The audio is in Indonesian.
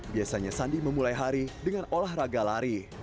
biasanya sandi memulai hari dengan olahraga lari